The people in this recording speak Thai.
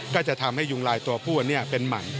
ก็จะทำให้ยุงลายตัวผู้เป็นหมัน